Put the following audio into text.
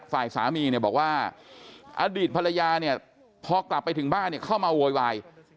ฝ่ายสามีเนี่ยบอกว่าอดีตภรรยาเนี่ยพอกลับไปถึงบ้านเนี่ยเข้ามาโวยวาย